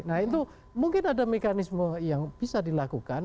nah itu mungkin ada mekanisme yang bisa dilakukan